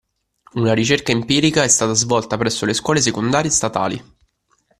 Una ricerca empirica è stata svolta presso le scuole secondarie statali.